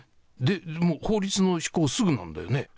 で、もう法律の施行、すぐなんだよね。